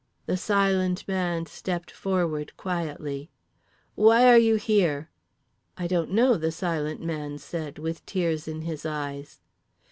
The Silent Man stepped forward quietly. "Why are you here?" "I don't know," The Silent Man said, with tears in his eyes.